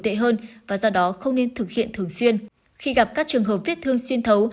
thương và do đó không nên thực hiện thường xuyên khi gặp các trường hợp vết thương xuyên thấu